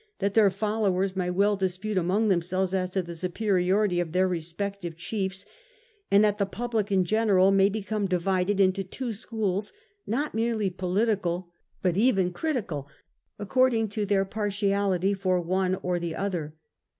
that their followers may well dispute among them selves as to the superiority of their respective chiefs, and that the public in general may become divided into two schools not merely political but even critical, according to their partiality for one or the other.